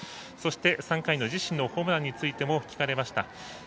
そして３回の自身のホームランについても聞かれました。